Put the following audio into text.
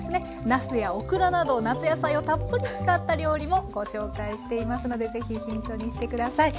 なすやオクラなど夏野菜をたっぷり使った料理もご紹介していますのでぜひヒントにして下さい。